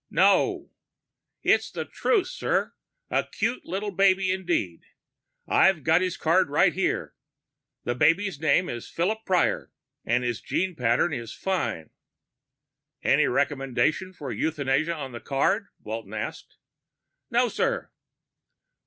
"No!" "It's the truth, sir. A cute little baby indeed. I've got his card right here. The boy's name is Philip Prior, and his gene pattern is fine." "Any recommendation for euthanasia on the card?" Walton asked. "No, sir."